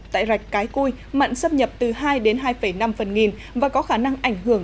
tại rạch cái cui mặn xâm nhập từ hai đến hai năm phần nghìn và có khả năng ảnh hưởng